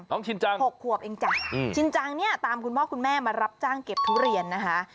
ชินจัง๖ขวบเองจ้ะชินจังเนี่ยตามคุณพ่อคุณแม่มารับจ้างเก็บทุเรียนนะคะ